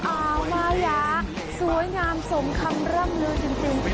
อาวะเยาสวยงามสมคำร่ำเวลาจริง